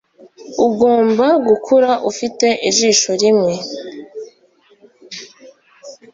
ugomba gukura ufite ijisho rimwe